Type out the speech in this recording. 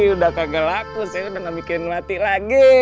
udah kagak laku saya udah gak bikin mati lagi